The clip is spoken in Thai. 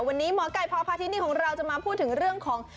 วันนี้หมอไก่พอพาที่นี่ของเราจะมาพูดถึงเรื่องของ